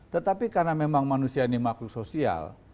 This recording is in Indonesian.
tetapi karena memang manusia ini makhluk sosial